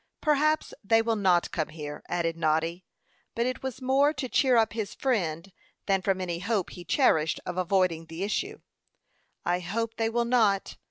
"Perhaps they will not come here," added Noddy; but it was more to cheer up his friend, than from any hope he cherished of avoiding the issue. "I hope they will not.